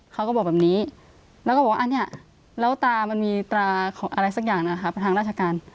เขาก็บอกแบบนี้แล้วก็บอกว่าอันนี้แล้วตามันมีตราของอะไรสักอย่างนะครับทางราชการ